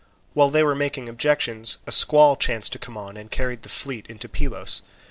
While they were making objections, a squall chanced to come on and carried the fleet into Pylos.